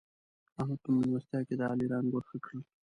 احمد په مېلمستيا کې د علي رنګ ور ښه کړ.